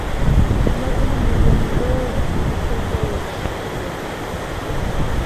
Жума күнү бул жөнүндө бүткүл коллеж билген.